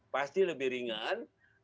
pasti lebih ringan